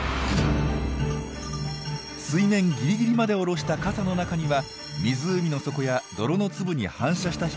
水面ギリギリまで下ろした傘の中には湖の底や泥の粒に反射した光しか入ってきません。